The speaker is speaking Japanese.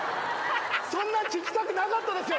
そんなん聞きたくなかったですよ